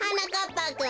ぱくん。